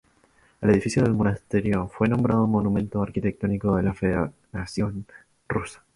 El edificio del monasterio fue nombrado monumento arquitectónico de la Federación Rusa